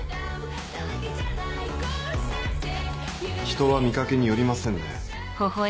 人は見かけによりませんね。